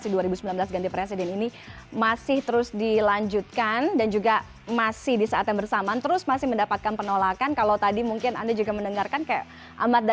ini berbahaya buat kepentingan bahasa